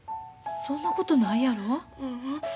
そんなことないやろ。